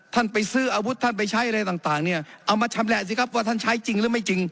ไปซื้ออาวุธท่านไปใช้อะไรต่างเนี่ยเอามาชำแหละสิครับว่าท่านใช้จริงหรือไม่จริง